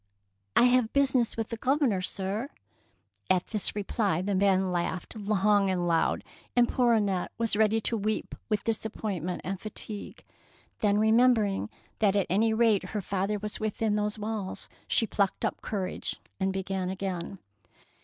" I have business with the Governor, sir." At this reply the man laughed long and loud, and poor Annette was ready to weep with disappointment and fa tigue. Then remembering that at any 214 THE PEARL NECKLACE rate her father was within those walls, she plucked up courage and began again.